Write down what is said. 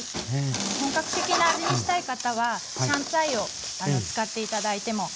本格的な味にしたい方は香菜を使って頂いてもかまいません。